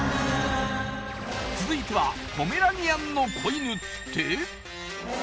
続いてはポメラニアンの子犬って！？